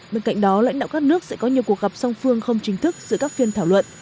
bên cạnh đó lãnh đạo các nước sẽ có nhiều cuộc gặp song phương không chính thức giữa các phiên thảo luận